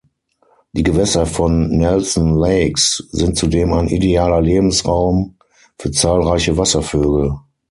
Die Gewässer von Nelson Lakes sind zudem ein idealer Lebensraum für zahlreiche Wasservögel.